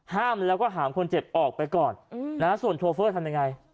ห้ามแล้วก็หามคนเจ็บออกไปก่อนส่วนโชเฟอร์ทำยังไง